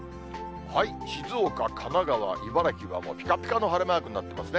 静岡、神奈川、茨城はもうぴかぴかの晴れマークになってますね。